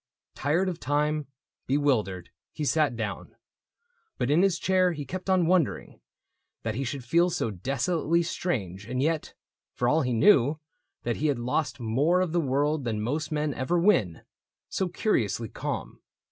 Tired of time, bewildered, he sat down ; But in his chair he kept on wondering That he should feel so desolately strange And yet — for all he knew that he had lost More of the world than most men ever win — So curiously calm.